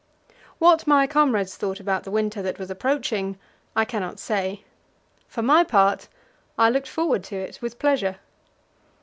What my comrades thought about the winter that was approaching I cannot say; for my part, I looked forward to it with pleasure.